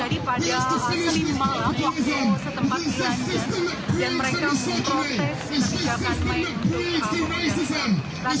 dan mereka memprotes dan menyiapkan main untuk hal itu di london